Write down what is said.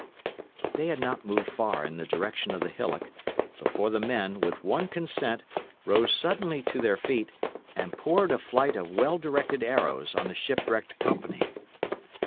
But they had not moved far in the direction of the hillock, before the men, with one consent, rose suddenly to their feet, and poured a flight of well directed arrows on the shipwrecked company.